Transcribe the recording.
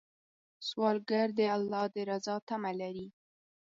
سوالګر د الله د رضا تمه لري